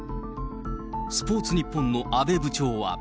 スポーツニッポンの阿部部長は。